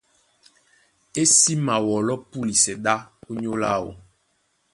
E sí mawɔlɔ́ púlisɛ ɗá ónyólá áō.